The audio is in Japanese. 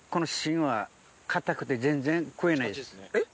えっ？